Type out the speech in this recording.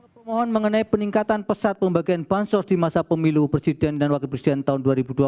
pemohon mengenai peningkatan pesat pembagian bansos di masa pemilu presiden dan wakil presiden tahun dua ribu dua puluh